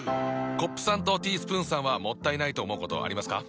コップさんとティースプーンさんはもったいないと思うことありますか？